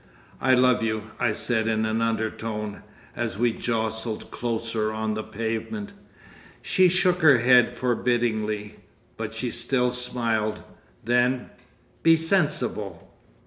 "I love you," I said in an undertone, as we jostled closer on the pavement. She shook her head forbiddingly, but she still smiled. Then—"Be sensible!"